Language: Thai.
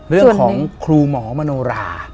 เรื่องของครูหมอมโนรา